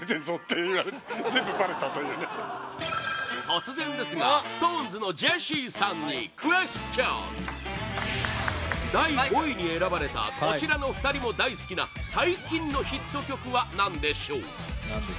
突然ですがＳｉｘＴＯＮＥＳのジェシーさんにクエスチョン第５位に選ばれたこちらの２人も大好きな最近のヒット曲は何でしょう？